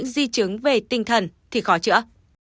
di chứng về tinh thần thì khó chữa